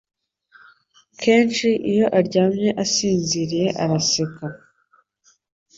Kenshi iyo aryamye asinziriye araseka